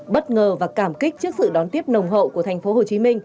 bất ngờ và cảm kích trước sự đón tiếp nồng hậu của tp hcm